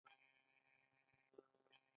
آیا د ایران کرنه ډیره پراخه نه ده؟